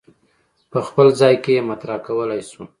په خپل ځای کې یې مطرح کولای شو.